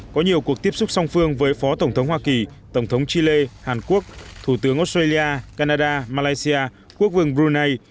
có nhiều cuộc tiếp xúc song phương với phó tổng thống hoa kỳ tổng thống chile hàn quốc thủ tướng australia canada malaysia quốc vương brunei